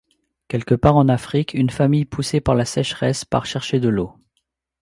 Quelque part en Afrique, une famille poussée par la sécheresse part chercher de l'eau.